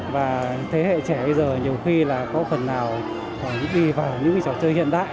và thế hệ trẻ bây giờ nhiều khi là có phần nào còn đi vào những trò chơi hiện đại